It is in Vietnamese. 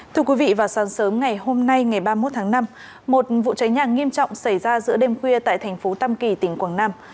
thưa quý vị vào sáng sớm ngày hôm nay ngày ba mươi một tháng năm một vụ cháy nhà nghiêm trọng xảy ra giữa đêm khuya tại thành phố tam kỳ tỉnh quảng nam